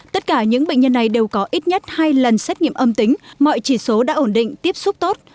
tất cả những bệnh nhân này đều có ít nhất hai lần xét nghiệm âm tính mọi chỉ số đã ổn định tiếp xúc tốt